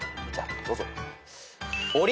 どうぞ。